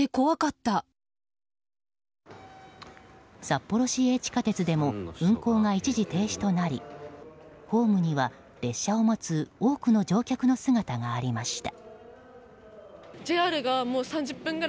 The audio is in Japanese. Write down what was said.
札幌市営地下鉄でも運行が一時停止となりホームには列車を待つ多くの乗客の姿がありました。